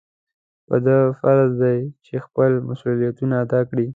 په ده فرض دی چې خپل مسؤلیتونه ادا کړي.